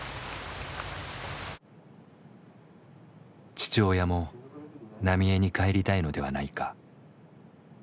父親も浪江に帰りたいのではないか。